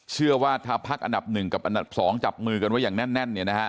เชื่อว่าถ้าพักอันดับ๑กับอันดับ๒จับมือกันไว้อย่างแน่น